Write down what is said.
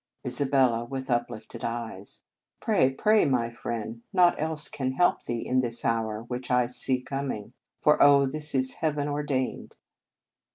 Isabella (with uplifted eyes). Pray, pray! my friend. Naught else can help thee in this hour which I see coming. For, oh! this is Heaven ordained.